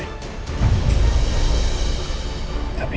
like cukup gitu